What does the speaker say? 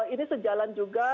ini sejalan juga